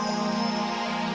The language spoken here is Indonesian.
ya frizulah gue mah